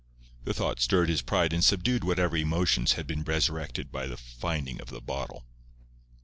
The thought stirred his pride and subdued whatever emotions had been resurrected by the finding of the bottle.